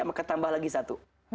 maka tambah lagi satu